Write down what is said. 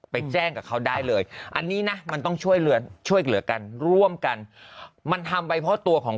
ไปแจ้งกับเขาได้เลยอันนี้นะมันต้องช่วยเหลือช่วยเหลือกันร่วมกันมันทำไปเพราะตัวของ